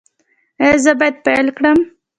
ایا زه باید پیل کړم؟